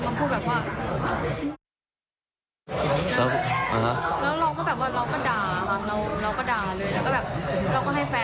ก็โทรมาชอบโทรมาตอนดึกอย่างเงี้ยค่ะ